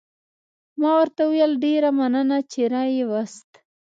ما ورته وویل: ډېره مننه، چې را يې وست.